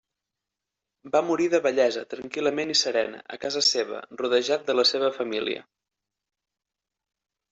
Va morir de vellesa, tranquil·lament i serena, a casa seva, rodejat de la seva família.